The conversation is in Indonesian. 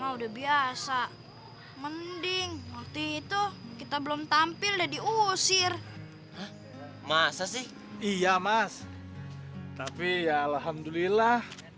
udah biasa mending waktu itu kita belum tampil udah diusir masa sih iya mas tapi ya alhamdulillah